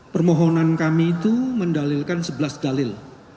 permohonan kami itu mendalilkan sebelas dalil